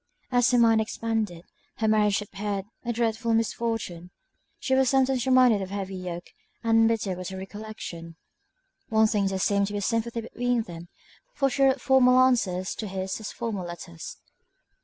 As her mind expanded, her marriage appeared a dreadful misfortune; she was sometimes reminded of the heavy yoke, and bitter was the recollection! In one thing there seemed to be a sympathy between them, for she wrote formal answers to his as formal letters.